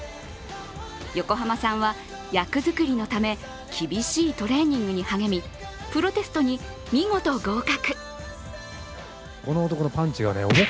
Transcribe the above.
横浜さんは役づくりのため厳しいトレーニングに励み、プロテストに見事合格。